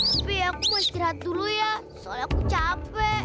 tapi aku mau istirahat dulu ya soalnya aku capek